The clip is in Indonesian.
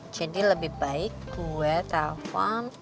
jadi lebih baik gue telepon